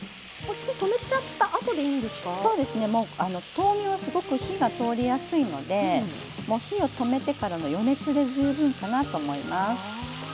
豆苗はすごく火が通りやすいので火を止めてからの余熱で十分かなと思います。